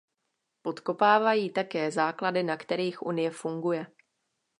Podkopávají také základy, na kterých Unie funguje.